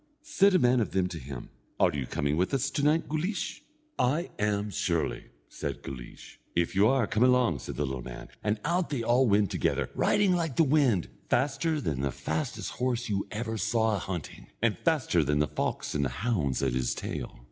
Said a man of them to him: "Are you coming with us to night, Guleesh?" "I am surely," said Guleesh. "If you are, come along," said the little man, and out they went all together, riding like the wind, faster than the fastest horse ever you saw a hunting, and faster than the fox and the hounds at his tail.